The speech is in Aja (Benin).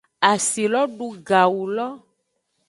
Asi lo du gawu lo.